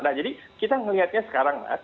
nah jadi kita melihatnya sekarang